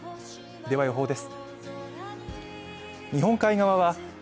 では、予報です。